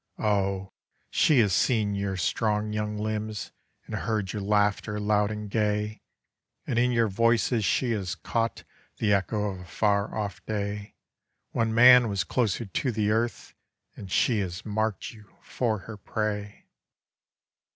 Oh! she has seen your strong young limbs, And heard your laughter loud and gay, And in your voices she has caught The echo of a far off day, When man was closer to the earth; And she has marked you for her prey.